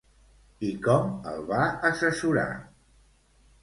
I com el va assessorar?